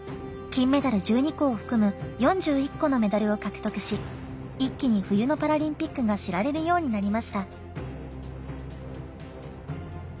金メダル１２個を含む４１個のメダルを獲得し一気に冬のパラリンピックが知られるようになりました。